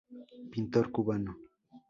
Pintor cubano.